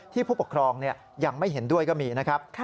ผู้ปกครองยังไม่เห็นด้วยก็มีนะครับ